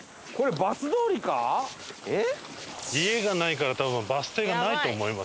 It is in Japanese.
家がないから多分バス停がないと思いますよ。